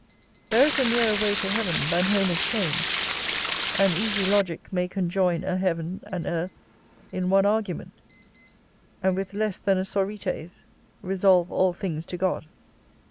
There is a nearer way to heaven than Homer's chain; an easy logick may conjoin a heaven and earth in one argument, and, with less than a sorites, resolve all things to God.